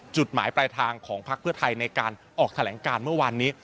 จุดหมายปลายทางของพักเพื่อไทยในการออกแถลงการเมื่อวานนี้